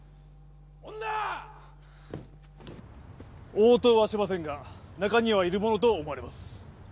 応答はしませんが中にはいるものと思われます